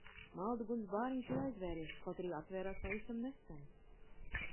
Malduguns bāriņš ir aizvēries, kaut arī atvērās pavisam nesen.